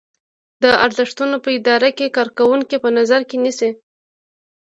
دا ارزښتونه په اداره کې کارکوونکي په نظر کې نیسي.